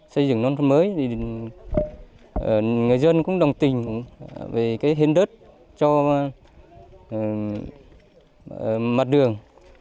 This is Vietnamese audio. xây dựng nông thôn mới người dân cũng đồng tình về hên đất cho mặt đường